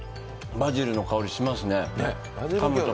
バジルの香りしますね。